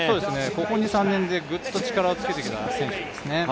ここ２３年でぐっと力をつけてきた選手ですね。